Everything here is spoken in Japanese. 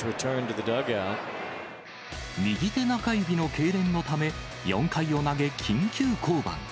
右手中指のけいれんのため、４回を投げ、緊急降板。